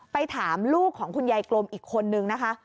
ไปถามลูกของคุณยายกลมอีกคนนึงนะคะ